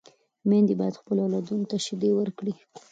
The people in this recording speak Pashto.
میندې باید خپلو اولادونو ته شیدې ورکړي.